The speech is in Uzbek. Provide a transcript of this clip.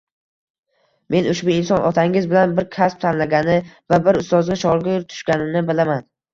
Men ushbu inson otangiz bilan bir kasb tanlagani va bir ustozga shogird tushganini bilaman